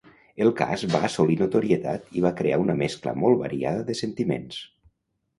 El cas va assolir notorietat i va crear una mescla molt variada de sentiments.